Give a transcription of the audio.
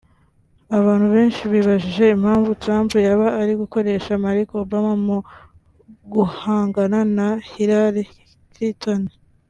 Abantu benshi bibajije impamvu Trump yaba ari gukoresha Malik Obama mu guhangana na Hilary Clinton